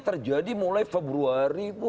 terjadi mulai februari